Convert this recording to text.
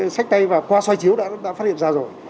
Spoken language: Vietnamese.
sách tay và qua xoay chiếu đã phát hiện ra rồi